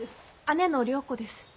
姉の良子です。